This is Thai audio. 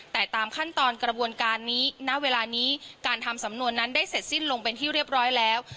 แต่ตามขั้นตอนกระบวนการนี้ณเวลานี้การทำสำนวนนั้นได้เสร็จสิ้นลงเป็นที่เรียบร้อยแล้ว